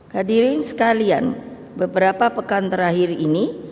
hadirin sekalian beberapa pekan terakhir ini